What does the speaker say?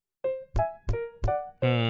うん。